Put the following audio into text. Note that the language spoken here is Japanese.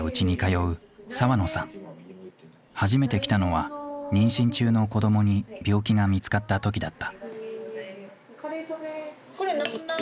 初めて来たのは妊娠中の子どもに病気が見つかった時だった。